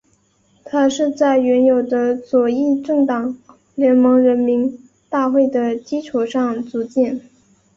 它是在原有的左翼政党联盟人民大会的基础上组建。